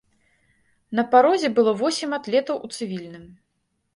На парозе было восем атлетаў у цывільным.